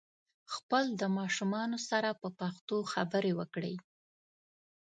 خپل د ماشومانو سره په پښتو خبري وکړئ